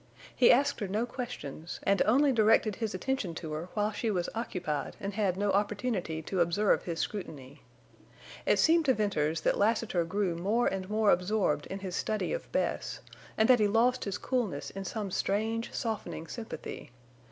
He asked her no questions, and only directed his attention to her while she was occupied and had no opportunity to observe his scrutiny. It seemed to Venters that Lassiter grew more and more absorbed in his study of Bess, and that he lost his coolness in some strange, softening sympathy.